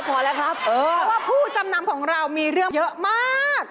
เพราะว่าผู้จำนำของเรามีเรื่องเยอะมาก